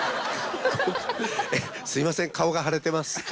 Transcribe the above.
すいません顔が腫れてます。